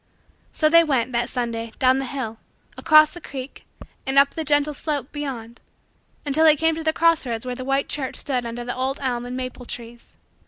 So they went, that Sunday, down the hill, across the creek, and up the gentle slope beyond, until they came to the cross roads where the white church stood under the old elm and maple trees.